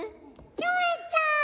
キョエちゃん！